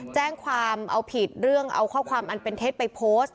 แจ้งความเอาผิดเรื่องเอาข้อความอันเป็นเท็จไปโพสต์